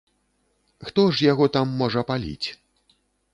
Хто ж яго там можа паліць?